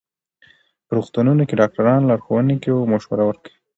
په روغتونونو کې ډاکټران لارښوونې کوي او مشوره ورکوي.